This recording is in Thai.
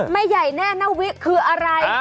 ไม่ใหญ่แน่นวิคืออะไร